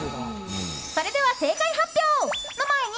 それでは正解発表の前に！